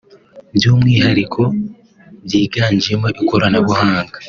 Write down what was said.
by’umwihariko byiganjemo ikoranabuhanga